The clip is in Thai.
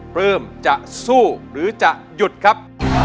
เพลงจะสู้หรือจะหยุดครับ